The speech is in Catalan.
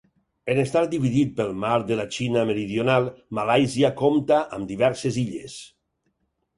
En estar dividit pel Mar de la Xina Meridional Malàisia compta amb diverses illes.